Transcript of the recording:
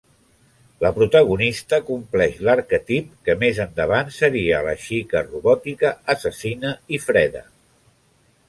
La protagonista compleix l'arquetip que més endavant seria la xica robòtica assassina i freda.